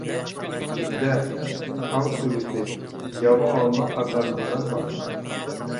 جىگدە، تاغ سۆگىتى، ياۋا ئالما قاتارلىقلار بار.